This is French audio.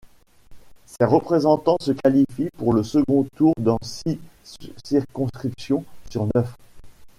Ses représentants se qualifient pour le second tour dans six circonscriptions sur neuf.